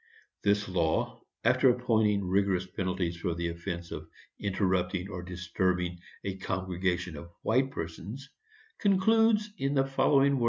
This law, after appointing rigorous penalties for the offence of interrupting or disturbing a congregation of white persons, concludes in the following words: [Sidenote: Stroud, p.